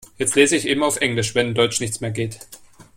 Jetzt lese ich eben auf Englisch, wenn in Deutsch nichts mehr geht.